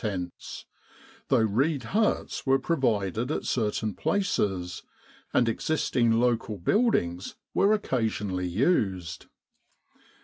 tents, though reed huts were provided at certain places, and existing local build ings were occasionally used.